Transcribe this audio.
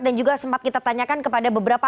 dan juga sempat kita tanyakan kepada beberapa